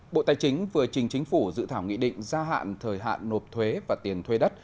bộ tài chính vừa trình chính phủ dự thảo nghị định gia hạn thời hạn nộp thuế và tiền thuê đất